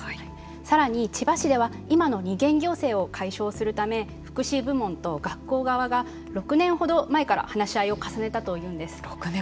さらに千葉市では今の二元行政を解消するため福祉部門と学校側が６年ほど前から話し合いを重ねたというんです。